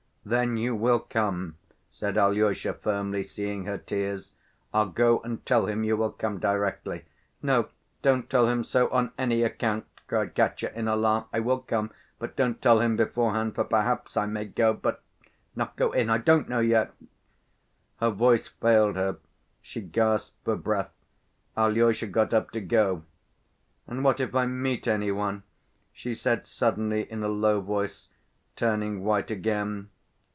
"Then you will come," said Alyosha firmly, seeing her tears. "I'll go and tell him you will come directly." "No, don't tell him so on any account," cried Katya in alarm. "I will come, but don't tell him beforehand, for perhaps I may go, but not go in.... I don't know yet—" Her voice failed her. She gasped for breath. Alyosha got up to go. "And what if I meet any one?" she said suddenly, in a low voice, turning white again.